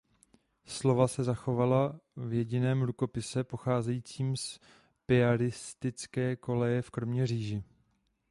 Slova se zachovala v jediném rukopise pocházejícím z piaristické koleje v Kroměříži.